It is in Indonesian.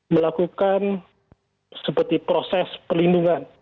melakukan seperti proses pelindungan